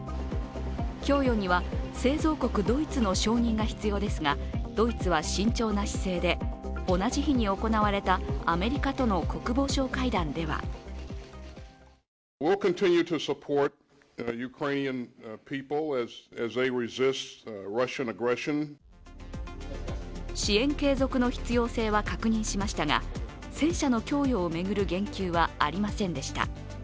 供与には製造国ドイツの承認が必要ですが、ドイツは慎重な姿勢で、同じ日に行われたアメリカとの国防相会談では支援継続の必要性は確認しましたが戦車の供与を巡る言及はありませんでした。